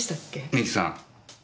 美紀さん。